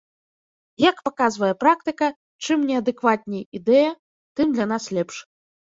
Як паказвае практыка, чым неадэкватней ідэя, тым для нас лепш.